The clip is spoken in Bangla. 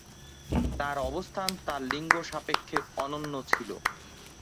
তার অবস্থান তার লিঙ্গ সাপেক্ষে অনন্য ছিল।